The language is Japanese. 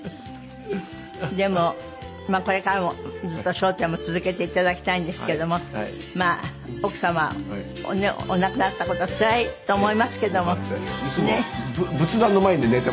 でもこれからもずっと『笑点』も続けて頂きたいんですけどもまあ奥様ね亡くなった事つらいと思いますけども。